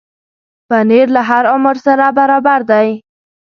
پنېر له هر عمر سره برابر دی.